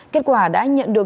kết quả đã nhận ra